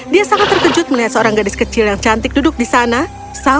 dia sangat terkejut melihat seorang gadis kecil yang cantik dengan kuda